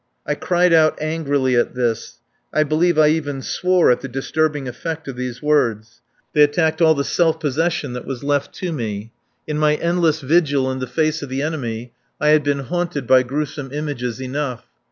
I cried out angrily at this. I believe I even swore at the disturbing effect of these words. They attacked all the self possession that was left to me. In my endless vigil in the face of the enemy I had been haunted by gruesome images enough.